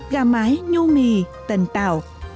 gà mái nhu mì tần tạo